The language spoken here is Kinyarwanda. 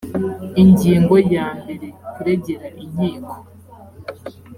ingingo ya mbere kuregera inkiko